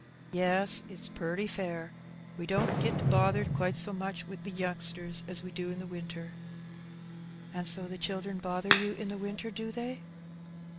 "Yes, it's purty fair; we don't git bothered quite so much wi' the youngsters as we do in the winter." "And so the children bother you in the winter, do they